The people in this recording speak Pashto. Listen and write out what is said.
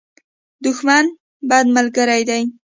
دښمن، بد ملګری دی.